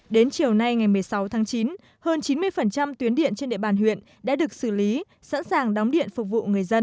đến chiều nay ngày một mươi sáu tháng chín hơn chín mươi tuyến điện trên địa bàn huyện đã được xử lý sẵn sàng đóng điện phục vụ người dân